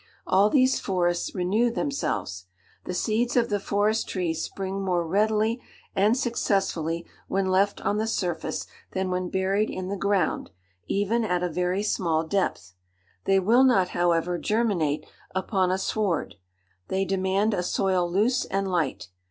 All these forests renew themselves. The seeds of the forest trees spring more readily and successfully when left on the surface than when buried in the ground, even at a very small depth. They will not, however, germinate upon a sward: they demand a soil loose and light.